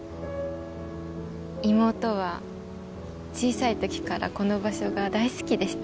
妹は小さいときからこの場所が大好きでした。